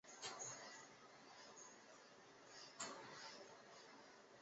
全姓在大陆和台湾都没有列入百家姓前一百位。